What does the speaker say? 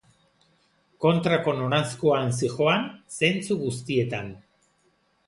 Kontrako noranzkoan zihoan, zentzu guztietan.